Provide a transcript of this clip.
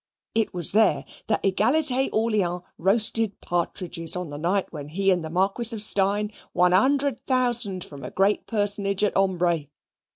It was there that Egalite Orleans roasted partridges on the night when he and the Marquis of Steyne won a hundred thousand from a great personage at ombre.